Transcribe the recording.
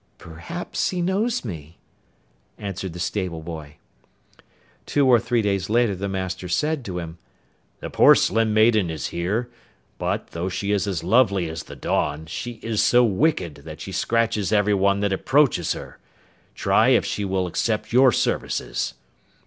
'Perhaps he knows me,' answered the stable boy. Two or three days later the master said to him: 'The Porcelain Maiden is here: but, though she is as lovely as the dawn, she is so wicked that she scratches everyone that approaches her. Try if she will accept your services.